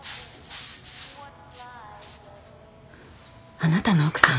あなたの奥さん。